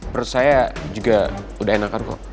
menurut saya juga udah enakan kok